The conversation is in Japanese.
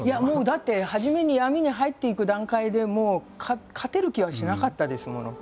だって初めに闇に入っていく段階でもう勝てる気はしなかったですもの。